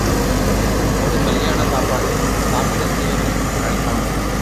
தன்னோடு கல்யாணச் சாப்பாடு சாப்பிட சீவகனை அழைத்தான்.